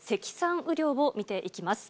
雨量を見ていきます。